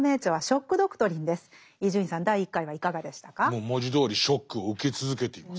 もう文字どおりショックを受け続けています。